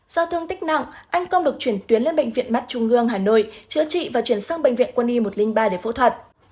do thương tích nặng anh công được chuyển tuyến lên bệnh viện mắt trung ương hà nội chữa trị và chuyển sang bệnh viện quân y một trăm linh ba để phẫu thuật